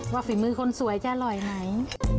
ฝีมือคนสวยจะอร่อยไหม